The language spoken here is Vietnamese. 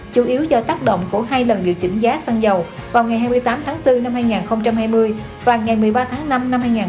chủ yếu do tác động của hai lần điều chỉnh giá xăng dầu vào ngày hai mươi tám tháng bốn năm hai nghìn hai mươi và ngày một mươi ba tháng năm năm hai nghìn hai mươi